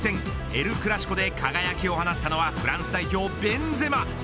エル・クラシコで輝きを放ったのはフランス代表ベンゼマ。